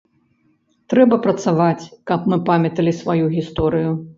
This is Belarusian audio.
Трэба працаваць, каб мы памяталі сваю гісторыю.